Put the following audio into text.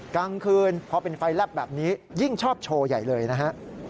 กลางคืนพอเป็นไฟแลบแบบนี้ยิ่งชอบโชว์ใหญ่เลยนะฮะ